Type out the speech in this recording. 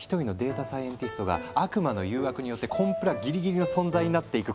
サイエンティストが悪魔の誘惑によってコンプラギリギリの存在になっていく